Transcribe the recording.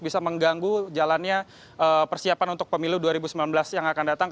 bisa mengganggu jalannya persiapan untuk pemilu dua ribu sembilan belas yang akan datang